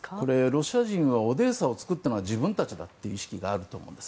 ロシア人はオデーサを作ったのは自分たちだという意識があるんだと思うんです。